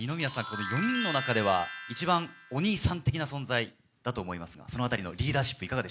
この４人の中では一番お兄さん的な存在だと思いますがその辺りのリーダーシップいかがでしょうか？